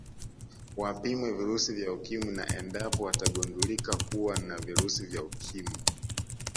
Wapimwe virusi vya Ukimwi na endapo watagundulika kuwa na virusi vya Ukimwi